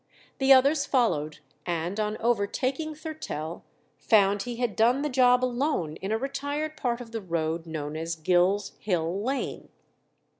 The others followed, and on overtaking Thurtell, found he had done the job alone in a retired part of the road known as Gill's Hill Lane.